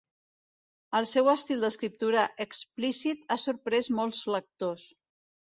El seu estil d'escriptura explícit ha sorprès molts lectors.